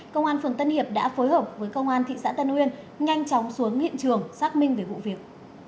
công an phường tân hiệp đã phối hợp với công an thị xã tân uyên nhanh chóng xuống hiện trường xác minh về vụ việc